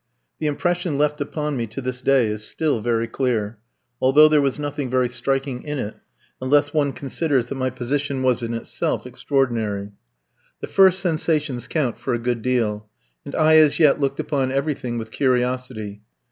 The impression left upon me to this day is still very clear, although there was nothing very striking in it, unless one considers that my position was in itself extraordinary. The first sensations count for a good deal, and I as yet looked upon everything with curiosity.